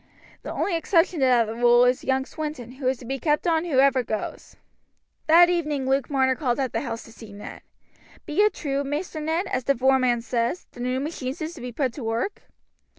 The only exception to that rule is young Swinton, who is to be kept on whoever goes." That evening Luke Marner called at the house to see Ned. "Be it true, Maister Ned, as the voreman says, the new machines is to be put to work?"